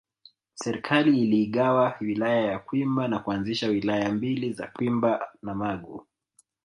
Serikali iliigawa Wilaya ya Kwimba na kuanzisha Wilaya mbili za Kwimba na Magu